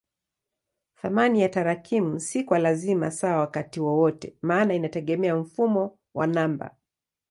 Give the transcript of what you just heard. Thamani ya tarakimu si kwa lazima sawa wakati wowote maana inategemea mfumo wa namba.